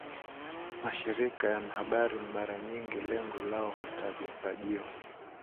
Mashirika ya habari mara nyingi lengo lao hutarajiwa